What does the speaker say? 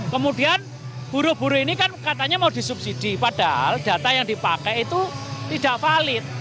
kemudian buruh buruh ini kan katanya mau disubsidi padahal data yang dipakai itu tidak valid